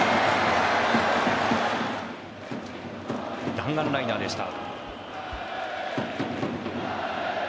弾丸ライナーでした。